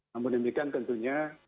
namun demikian tentunya